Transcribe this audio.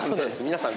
皆さん